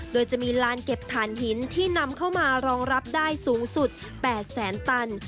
โดยจะมีลานเก็บฐานหินที่นำเข้ามารองรับได้สูงสุด๘แสนตัน